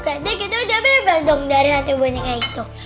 jadi kita udah bebas dong dari hati boneka itu